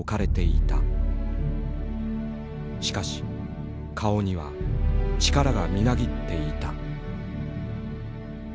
しかし顔には力がみなぎっていた。